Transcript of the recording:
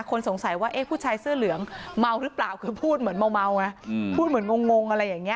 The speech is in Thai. คนสงสัยว่าผู้ชายเสื้อเหลืองเมาหรือเปล่าคือพูดเหมือนเมาพูดเหมือนงง